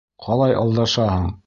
Ҡалай алдашаһың.